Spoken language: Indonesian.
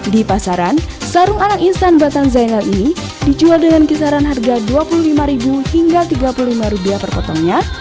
di pasaran sarung anak instan batan zainal ini dijual dengan kisaran harga rp dua puluh lima hingga rp tiga puluh lima per potongnya